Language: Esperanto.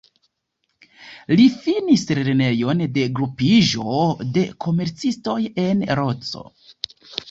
Li finis Lernejon de Grupiĝo de Komercistoj en Lodzo.